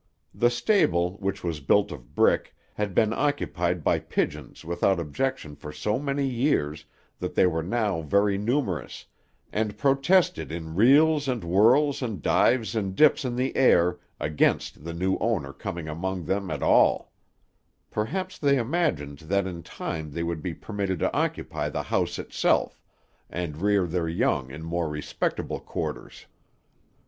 The stable, which was built of brick, had been occupied by pigeons without objection for so many years that they were now very numerous, and protested in reels and whirls and dives and dips in the air against the new owner coming among them at all; perhaps they imagined that in time they would be permitted to occupy the house itself, and rear their young in more respectable quarters.